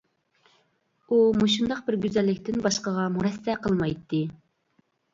ئۇ مۇشۇنداق بىر گۈزەللىكتىن باشقىغا مۇرەسسە قىلمايتتى.